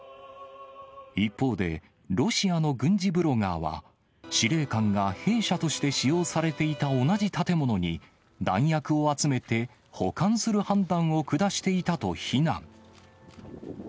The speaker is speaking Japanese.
一方で、ロシアの軍事ブロガーは、司令官が兵舎として使用されていた同じ建物に、弾薬を集めて保管する判断を下していたと非難。